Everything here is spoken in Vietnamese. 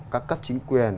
các cấp chính quyền